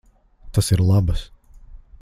Tas ir labas.